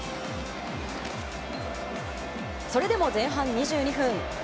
それでも前半２２分。